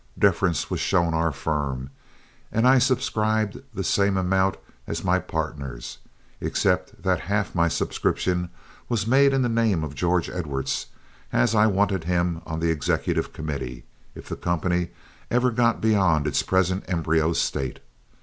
Deference was shown our firm, and I subscribed the same amount as my partners, except that half my subscription was made in the name of George Edwards, as I wanted him on the executive committee if the company ever got beyond its present embryo state.